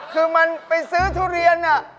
คือมันไปซื้อทุเรียนน่ะ